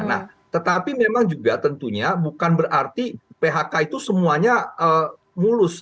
nah tetapi memang juga tentunya bukan berarti phk itu semuanya mulus